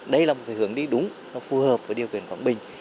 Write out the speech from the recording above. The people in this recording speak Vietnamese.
đây là một hướng đi đúng phù hợp với điều kiện quảng bình